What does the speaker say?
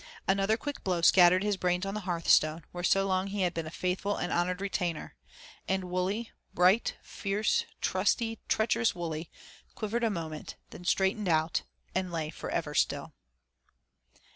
Another quick blow scattered his brains on the hearthstone, where so long he had been a faithful and honored retainer and Wully, bright, fierce, trusty, treacherous Wully, quivered a moment, then straightened out, and lay forever still.